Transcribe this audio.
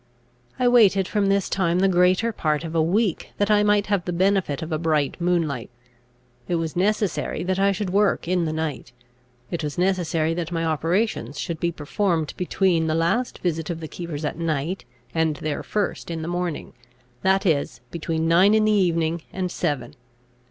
I waited from this time the greater part of a week, that I might have the benefit of a bright moonlight. It was necessary that I should work in the night; it was necessary that my operations should be performed between the last visit of the keepers at night and their first in the morning, that is, between nine in the evening and seven.